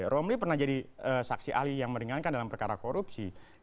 romli pernah jadi saksi ahli yang meringankan dalam perkara korupsi